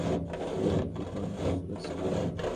সে কি কোন সুপারস্টার?